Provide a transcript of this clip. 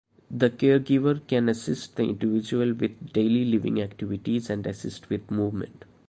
The caregiver can assist the individual with daily living activities and assist with movement.